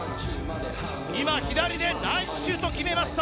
今、左でナイスシュートを決めました。